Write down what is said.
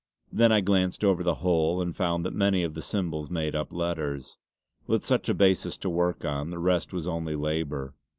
Then I glanced over the whole and found that many of the symbols made up letters. With such a basis to work on, the rest was only labour.